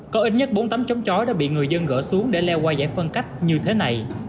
có ít nhất bốn tấm chống chói đã bị người dân gỡ xuống để leo qua giải phân cách như thế này